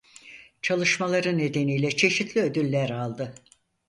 Çalışmaları nedeniyle çeşitli ödüller aldı.